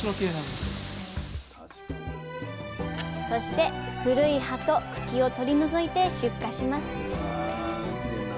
そして古い葉と茎を取り除いて出荷します